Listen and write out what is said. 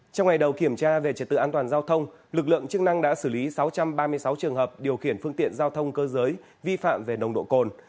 trong ngày đầu kiểm tra về trật tự an toàn giao thông lực lượng chức năng đã xử lý sáu trăm ba mươi sáu trường hợp điều khiển phương tiện giao thông cơ giới vi phạm về nồng độ cồn